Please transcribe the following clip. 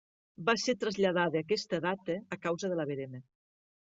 Va ser traslladada a aquesta data a causa de la verema.